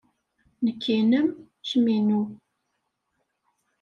Nekk inem, kemm inu.